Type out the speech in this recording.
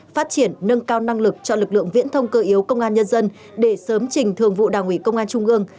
phát triển nâng cao năng lực cho lực lượng viễn thông cơ yếu công an nhân dân để sớm trình thường vụ đảng ủy công an trung ương